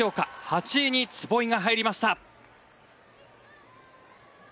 ８位に壷井が入りました。